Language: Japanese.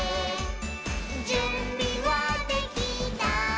「じゅんびはできた？